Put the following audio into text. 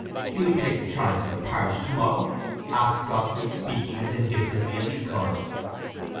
"You'll take the child to the parish to morrow?" asked Godfrey, speaking as indifferently as he could.